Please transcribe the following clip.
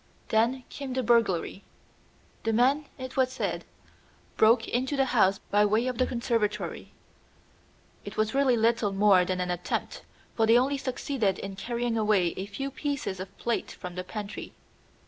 Then came the burglary. The men, it was said, broke into the house by way of the conservatory. It was really little more than an attempt, for they only succeeded in carrying away a few pieces of plate from the pantry.